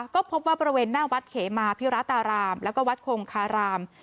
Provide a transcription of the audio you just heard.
ก็พบว่าบริเวณหน้าวัดเขมาพิราตารามแล้วก็วัดคงคาราม